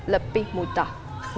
lebih mudah ya